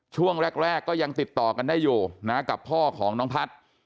ช่วงแรกก็ยังติดต่อกันได้อยู่นะกับพ่อของน้องพัฒน์